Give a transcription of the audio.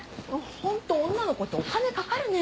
本当女の子ってお金かかるね。